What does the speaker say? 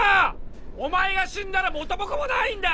お前が死んだら元も子もないんだ